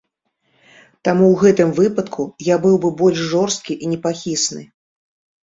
Таму ў гэтым выпадку я быў бы больш жорсткі і непахісны.